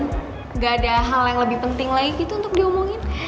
tidak ada hal yang lebih penting lagi gitu untuk diomongin